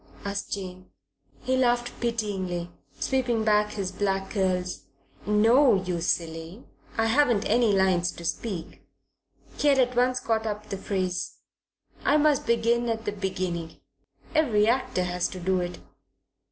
asked Jane. He laughed pityingly, sweeping back his black curls. "No, you silly, I haven't any lines to speak" he had at once caught up the phrase "I must begin at the beginning. Every actor has to do it."